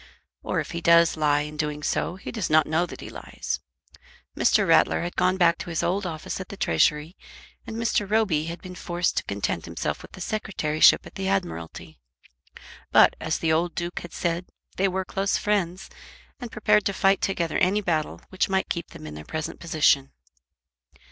Or, if he does lie in doing so, he does not know that he lies. Mr. Rattler had gone back to his old office at the Treasury and Mr. Roby had been forced to content himself with the Secretaryship at the Admiralty. But, as the old Duke had said, they were close friends, and prepared to fight together any battle which might keep them in their present position.